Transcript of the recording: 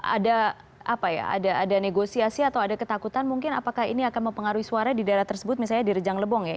ada apa ya ada negosiasi atau ada ketakutan mungkin apakah ini akan mempengaruhi suara di daerah tersebut misalnya di rejang lebong ya